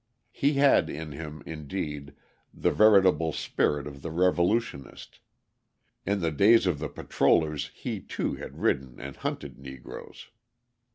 He had in him, indeed, the veritable spirit of the revolutionist: in the days of the Patrollers, he, too, had ridden and hunted Negroes.